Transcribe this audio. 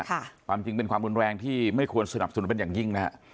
ความจริงเป็นความรุนแรงที่ไม่ควรสนับสนุนเป็นอย่างยิ่งนะฮะ